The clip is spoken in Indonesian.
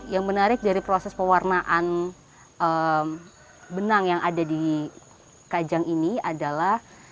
yang menarik dari proses pewarnaan benang yang ada di kajang ini adalah